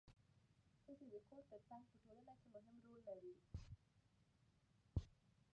ښځې د کور ترڅنګ په ټولنه کې مهم رول لري